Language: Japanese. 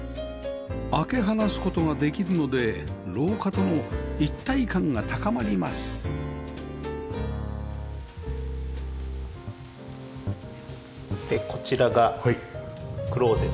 開け放す事ができるので廊下との一体感が高まりますでこちらがクローゼットになってます。